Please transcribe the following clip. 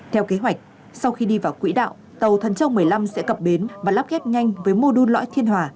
theo kế hoạch sau khi đi vào quỹ đạo tàu thần châu một mươi năm sẽ cập bến và lắp ghép nhanh với mô đun lõi thiên hòa